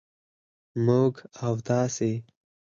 موږ و تاسې